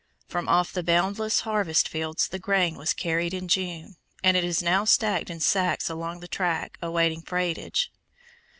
From off the boundless harvest fields the grain was carried in June, and it is now stacked in sacks along the track, awaiting freightage.